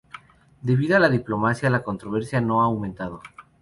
Debido a la diplomacia, la controversia no ha aumentado.